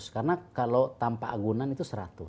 karena kalau tanpa agunan itu seratus